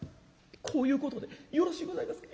こういうことでよろしいございますか。